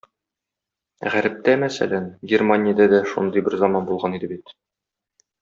Гарептә, мәсәлән, Германиядә дә шундый бер заман булган иде бит!